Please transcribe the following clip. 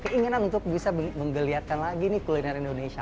keinginan untuk bisa menggeliatkan lagi nih kuliner indonesia